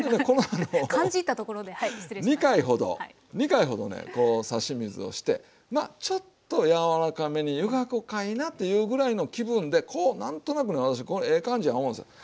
２回ほどねこう差し水をしてまあちょっと柔らかめに湯がくかいなというぐらいの気分でこう何となくね私ええ感じや思うんですよ。